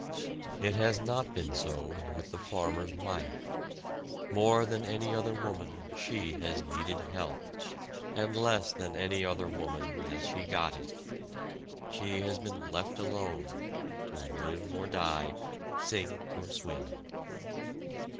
It has not been so with the farmer's wife. More than any other woman she has needed help, and less than any other woman has she got it. She has been left alone, to live or die, sink or swim.